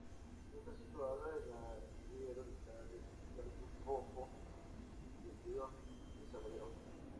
Está situada en la ribera oriental del Lago Poopó y del río Desaguadero.